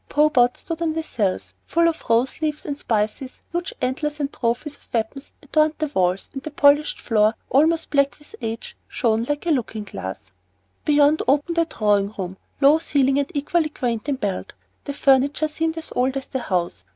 "Bow pots" stood on the sills, full of rose leaves and spices, huge antlers and trophies of weapons adorned the walls, and the polished floor, almost black with age, shone like a looking glass. Beyond opened a drawing room, low ceiled and equally quaint in build. The furniture seemed as old as the house.